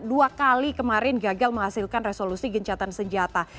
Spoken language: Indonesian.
dua kali kemarin gagal menghasilkan resolusi gencatan senjata